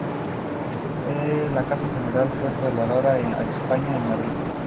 La casa general fue trasladada a España, en Madrid.